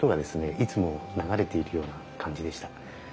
いつも流れているような感じでした。